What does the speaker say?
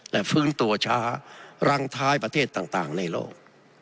และฟื้นตัวช้ารังท้ายประเทศต่างในโลก